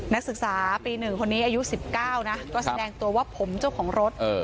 นักศึกษาปีหนึ่งคนนี้อายุสิบเก้านะครับก็แสดงตัวว่าผมเจ้าของรถเออ